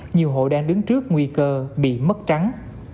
nhiều hộ đang đứng trước nguy cơ bị mất trắng